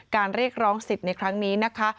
การเรียกร้อง๑๐ในครั้งนี้นะคะ